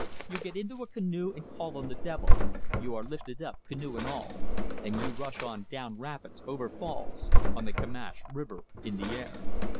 You get into a canoe and call on the devil. You are lifted up, canoe and all, and you rush on down rapids, over falls, on the Kimash River in the air.